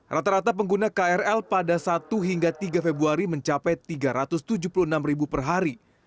rata rata pengguna krl pada satu hingga tiga februari mencapai tiga ratus tujuh puluh enam ribu per hari